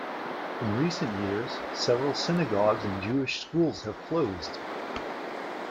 In recent years, several synagogues and Jewish schools have closed.